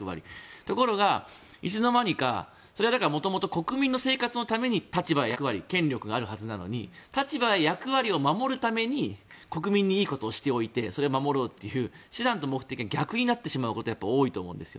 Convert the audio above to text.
ところが、いつのまにかそれは元々、国民の生活のために立場や役割、権力があるはずなのに立場や役割を守るために国民にいいことをしておいてそれを守ろうっていう手段と目的が逆になってしまうことが多いと思うんです。